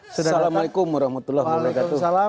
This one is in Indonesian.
assalamualaikum wr wb